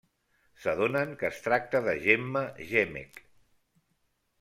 S'adonen que es tracta de Gemma Gemec.